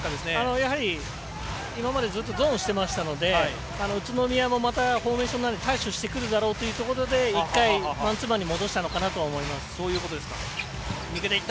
やはり今までずっとゾーンしていたので宇都宮もまたフォーメーションなりで対処してくるだろうというところでマンツーマンに戻したのかなと思います。